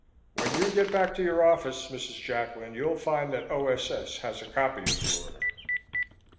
When you get back to your office, Mrs. Jacklin, you'll find that O.S.S. has a copy of the order."